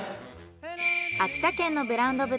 秋田県のブランド豚